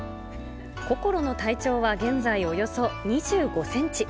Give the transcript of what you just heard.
こころの体長は現在およそ２５センチ。